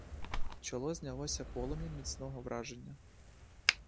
Чоло знялося полум'ям міцного враження.